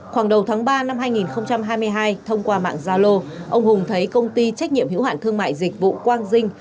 khoảng đầu tháng ba năm hai nghìn hai mươi hai thông qua mạng zalo ông hùng thấy công ty trách nhiệm hữu hạn thương mại dịch vụ quang dinh